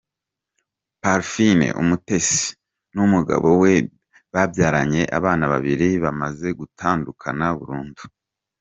Parfine Umutesi n'umugabo we babyaranye abana babiri, bamaze gutandukana burundu.